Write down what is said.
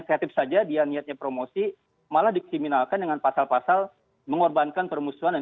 kreatif saja dia niatnya promosi malah dikriminalkan dengan pasal pasal mengorbankan permusuhan dan